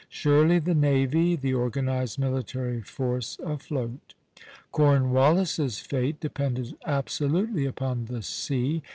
Surely the navy, the organized military force afloat. Cornwallis's fate depended absolutely upon the sea.